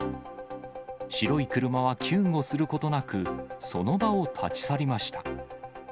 白い車は救護することなく、その場を立ち去りました。